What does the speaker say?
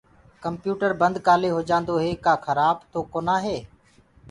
ڪمپيوٽر بند ڪآلي هوندوئي ڪآ خرآب تو نآ هي